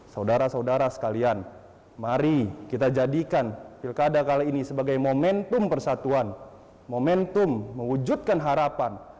saudara saudara sekalian mari kita jadikan pilkada kali ini sebagai momentum persatuan momentum mewujudkan harapan